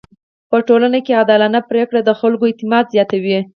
په ټولنه کي عادلانه پریکړه د خلکو اعتماد زياتوي.